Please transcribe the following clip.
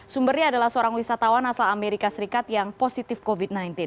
sumbernya adalah seorang wisatawan asal amerika serikat yang positif covid sembilan belas